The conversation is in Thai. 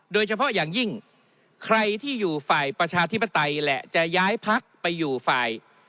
โดยเฉพาะอย่างยิ่งใครที่อยู่ฝ่ายประชาธิปไตยแหละจะย้ายพักไปอยู่ฝ่าย